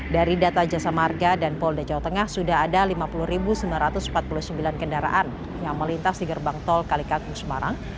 dari data jasa marga dan polda jawa tengah sudah ada lima puluh sembilan ratus empat puluh sembilan kendaraan yang melintas di gerbang tol kali kangkung semarang